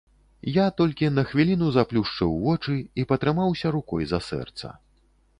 Я толькі на хвіліну заплюшчыў вочы і патрымаўся рукой за сэрца.